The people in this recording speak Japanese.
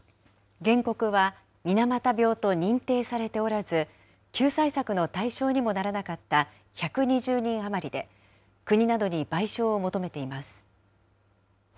原告は水俣病と認定されておらず、救済策の対象にもならなかった１２０人余りで、国などに賠償を求めています。